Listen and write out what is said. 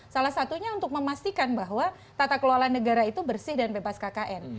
salah satunya untuk memastikan bahwa tata kelola negara itu bersih dan bebas kkn